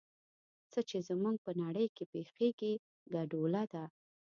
څه چې زموږ په نړۍ کې پېښېږي ګډوله ده.